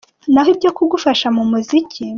com: Naho ibyo kugufasha mu muziki.